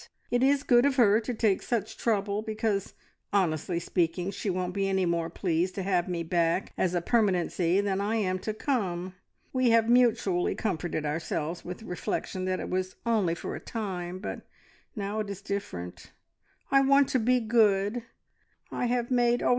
It is good of her to take such trouble, because, honestly speaking, she won't be any more pleased to have me back as a permanency than I am to come. We have mutually comforted ourselves with the reflection that it was `only for a time,' but now it is different. I want to be good I have made, oh!